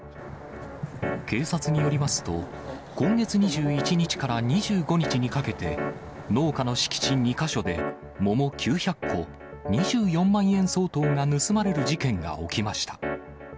警察によりますと、今月２１日から２５日にかけて、農家の敷地２か所で、桃９００個、２４万円相当が盗まれる事件が起きました。